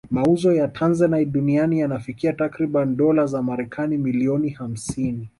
Mauzo ya Tanzanite duniani yanafikia takribani dola za Marekani milioni hamsini